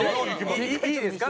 いいですか？